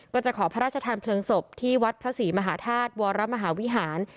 ก็จะขอพระราชทานเพลิงศพที่วัดพระศรีมหาธาตุวรมหาวิหาร